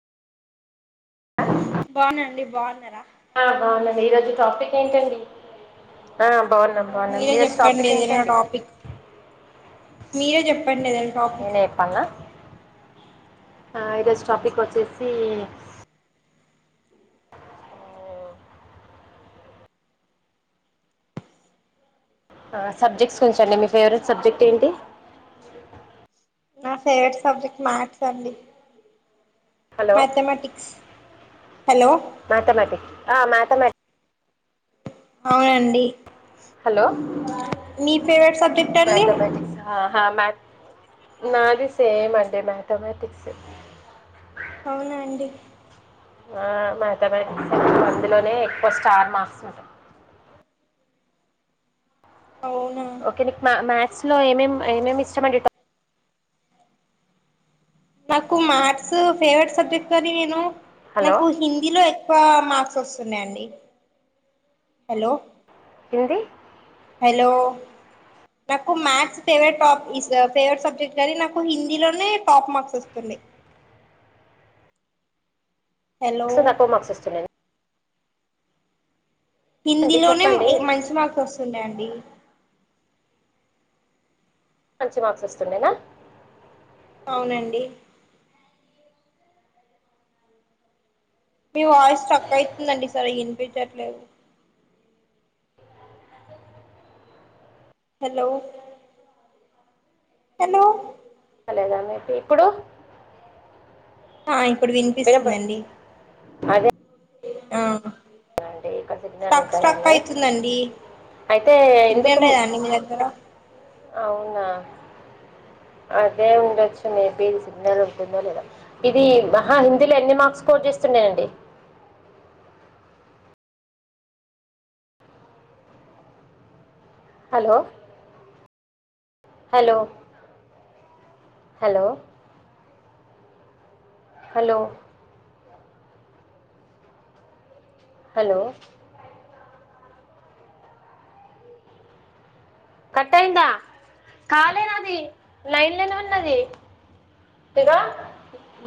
బాగున్నాండి బాగున్నారా ఆ బావునండి ఈరోజు టాపిక్ ఏంటండి ఆ బాగున్నా బాగున్నా మీరే మీరు చెప్పండి స్టాపిక్ ఏదైనా ఏంటండి టాపిక్ మీరే చెప్పండిదండి టాపిక్ నేనే చెప్పాలా ఆ ఈరోజు టాపిక్ వచ్చేసి సబ్జెక్ట్స్ కొంచెం అండి మీ ఫేవరెట్ సబ్జెక్ట్ ఏంటి నా ఫేవరెట్ సబ్జెక్ట్ మ్యాథ్స్ అండి హలో మ్యాథమెటిక్స్ హలో మాథమెటిక్స్ మాథమెటి అవునండి హలో మీ ఫేవరెట్ సబ్జెక్ట్ అండి మ్యాథమెటిక్స్ మ్యాథ్ నాది సేమ్ అంటే మాథమాటిక్స్ అవునా అండి ఆ మ [unintelligible] అందులోనే ఎక్కువ స్టార్ మాస్ ట అవునా ఓకే నీకు మా మాత్స్ స్లో ఏమేం ఏమేం ఇష్టమండి [unintelligible] నాకు మ్యాథ్స్ ఫేవరెట్ సబ్జెక్ట్ కినీ నేను హలో నాకు హిందీలో ఎక్ వి మార్క్స్ వొస్తున్నాయండి హలో హిందీ హలో నాకు maths favourite top is favourite subject కానీ నాకు హిందీలోనే టాప్ మార్క్స్ వస్తుంది సో తక్కవ మార్క్స్ వస్తుం [inaudible] అండి హిందీలోనే చెప్పండి మంచి మార్క్స్ వస్తుండే డి మంచి మార్క్స్ వస్తుండేనా అవునండి మీ వాయిస్ స్ట్రక్ ఐతుందండి సరిగ్గినిపిచ్చట్లేదు హలో హలో లే గాని ఐతే ఇప్పుడు ఆ ఇ ప్పుడు వినప వినిపిస్తుందండి ఆ అ అండి ఇక్కడ సిగ్నల్ స్ట్రక్ స్ట్రక్ ఉంటదండి అయితుందండి అయితే సిగ్నల్ ఎందుకుం లేదండి మీ దగ్గర అవునా అదే ఉండొచ్చు మేబి సిగ్నల్ ఉంటుందో లేదో ఇది మహా హిందీలో ఎన్ని మార్క్స్ స్కోర్ చేస్తుండేనండి hello hello hello hello hello cut అయిందా కాలేదది నైన్ లనే ఉన్నది ఇగొ